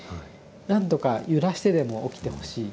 何とか揺らしてでも起きてほしい。